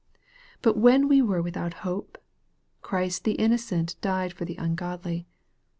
But " when we were without hope," Christ the innocent died for the ungodly.